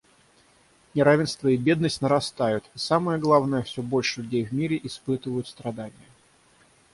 Неравенство и бедность нарастают, и, самое главное, все больше людей в мире испытывают страдания.